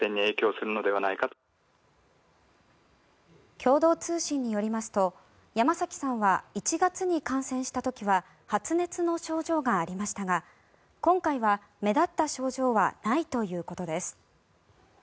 共同通信によりますと山崎さんは１月に感染した時は発熱の症状がありましたが今回は目立った症状はないということです。